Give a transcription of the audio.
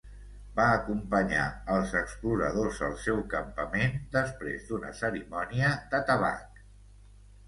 Va acompanyar als exploradors al seu campament després d'una cerimònia de tabac.